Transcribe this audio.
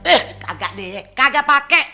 eh kagak deh kagak pake